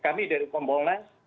kami dari kompolnas